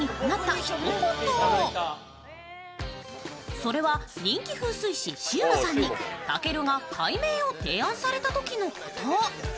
それは、人気風水師、シウマさんにたけるが改名を提案されたときのこと。